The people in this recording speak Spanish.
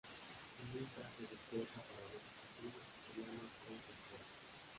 Nyssa se despierta para descubrir que ya no está infectada.